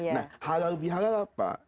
nah halal bihalal apa